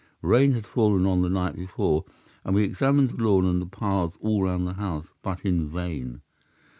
Rain had fallen on the night before and we examined the lawn and the paths all round the house, but in vain.